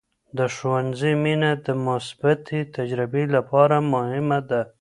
د ښوونځي مینه د مثبتې تجربې لپاره مهمه ده.